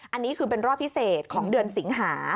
อันนี้คือเป็นรอบพิเศษของเดือนสิงหา